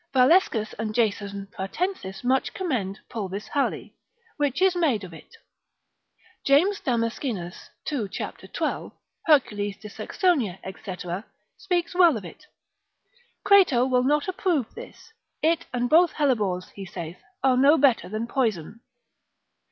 Valescus and Jason Pratensis much commend pulvis hali, which is made of it. James Damascen. 2. cap. 12. Hercules de Saxonia, &c., speaks well of it. Crato will not approve this; it and both hellebores, he saith, are no better than poison.